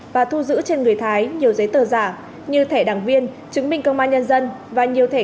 và thu giữ trên người thái nhiều giấy tờ giả như thẻ đảng viên chứng minh công an nhân dân và nhiều thẻ